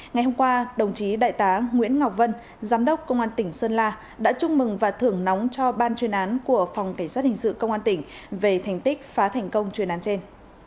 ngày hôm qua đồng chí đại tá nguyễn ngọc vân giám đốc công an tỉnh sơn la đã chúc mừng và thưởng nóng cho ban chuyên án của phòng cảnh sát hình sự công an tỉnh về thành tích phá thành công chuyên án trên